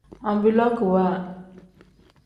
Anvilookiwa.